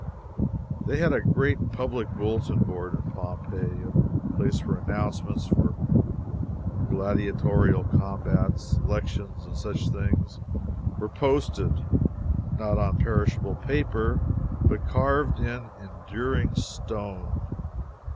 They had a great public bulletin board in Pompeii a place where announcements for gladiatorial combats, elections, and such things, were posted not on perishable paper, but carved in enduring stone.